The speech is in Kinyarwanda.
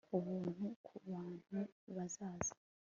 Ubuntu ku bantu bazaza